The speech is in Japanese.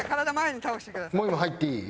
もう今入っていい？